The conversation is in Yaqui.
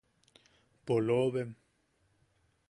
¡Poloobem!